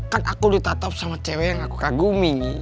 kan aku ditatap sama cewek yang aku kagumi